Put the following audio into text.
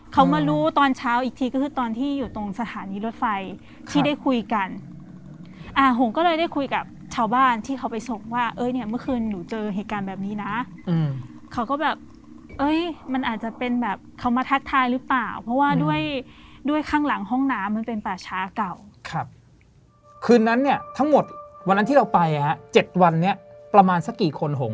เขามารู้ตอนเช้าอีกทีก็คือตอนที่อยู่ตรงสถานีรถไฟที่ได้คุยกันอ่าหงก็เลยได้คุยกับชาวบ้านที่เขาไปส่งว่าเอ้ยเนี่ยเมื่อคืนหนูเจอเหตุการณ์แบบนี้นะเขาก็แบบเอ้ยมันอาจจะเป็นแบบเขามาทักทายหรือเปล่าเพราะว่าด้วยด้วยข้างหลังห้องน้ำมันเป็นป่าช้าเก่าครับคืนนั้นเนี่ยทั้งหมดวันนั้นที่เราไปอ่ะเจ็ดวันนี้ประมาณสักกี่คนหง